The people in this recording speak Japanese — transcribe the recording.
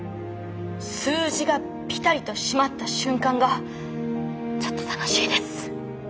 数字がピタリと締まった瞬間がちょっと楽しいです。